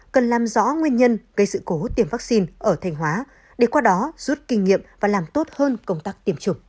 cần làm rõ nguyên nhân gây sự cố tiêm vaccine ở thanh hóa để qua đó rút kinh nghiệm và làm tốt hơn công tác tiêm chủng